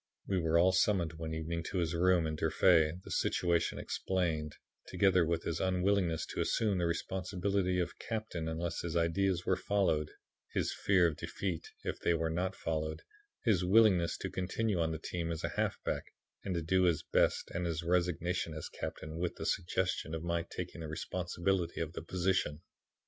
We were all summoned one evening to his room in Durfee; the situation explained, together with his unwillingness to assume the responsibility of captain unless his ideas were followed; his fear of defeat, if they were not followed, his willingness to continue on the team as a halfback and to do his best and his resignation as captain with the suggestion of my taking the responsibility of the position.